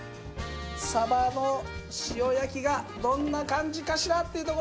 サバの塩焼きがどんな感じかしらっていうところで。